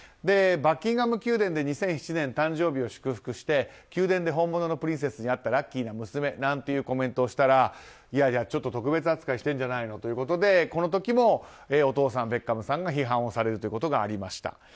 バッキンガム宮殿で２０１７年、誕生日を祝福して宮殿で本物のプリンセスに会ったラッキーな娘なんていうコメントをしたら特別扱いしてるんじゃないのとこの時もお父さんベッカムさんが批判をされるということがありました。